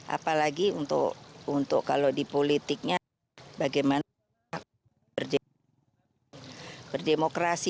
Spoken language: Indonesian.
apalagi untuk kalau di politiknya bagaimana berdemokrasi